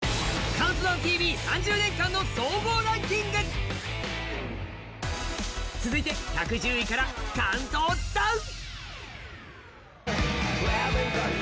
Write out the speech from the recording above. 「ＣＤＴＶ」３０年間の総合ランキング続いて１１０位からカウントダウン！